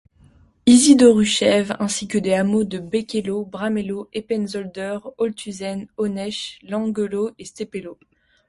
Isidorushoeve, ainsi que des hameaux de Boekelo, Brammelo, Eppenzolder, Holthuizen, Honesch, Langelo et Stepelo.